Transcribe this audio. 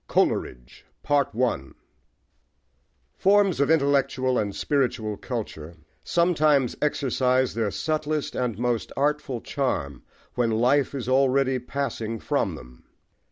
COLERIDGE* FORMS of intellectual and spiritual culture sometimes exercise their subtlest and most artful charm when life is already passing from them.